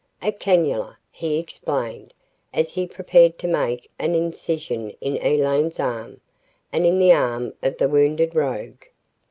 "A cannulla," he explained, as he prepared to make an incision in Elaine's arm and in the arm of the wounded rogue.